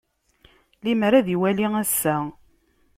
Limer ad iwali ass-a.